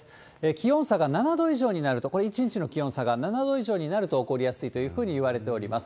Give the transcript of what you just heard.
気温差が７度以上になると、これ、一日の気温差が７度以上になると起こりやすいというふうにいわれております。